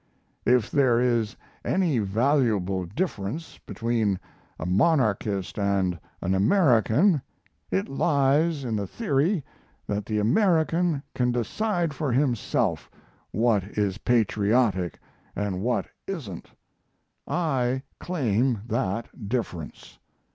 If there is any valuable difference between a monarchist and an American, it lies in the theory that the American can decide for himself what is patriotic and what isn't. I claim that difference.